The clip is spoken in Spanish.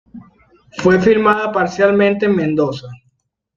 Fue filmada parcialmente en Mendoza.